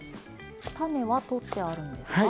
種は取ってあるんですか？